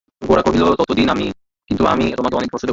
গোরা কহিল, ততদিন কিন্তু আমি তোমাকে অনেক কষ্ট দেব।